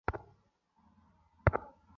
এইতো সেই সিন্ডি বারম্যান যাকে আমি চিনতাম।